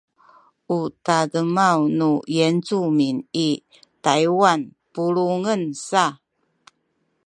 u tademaw nu Yincumin i Taywan pulungen sa